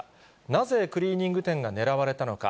なぜ、クリーニング店が狙われたのか。